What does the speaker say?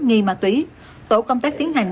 nghi ma túy tổ công tác tiến hành